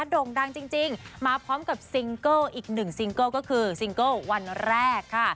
โด่งดังจริงมาพร้อมกับซิงเกิลอีกหนึ่งซิงเกิลก็คือซิงเกิลวันแรกค่ะ